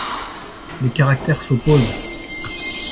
Les caractères s'opposent.